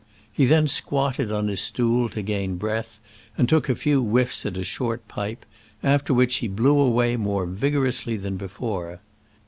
He then squatted on his stool to gain breath, and took a few whiffs at a short pipe, after which he blew away more vigor ously than before.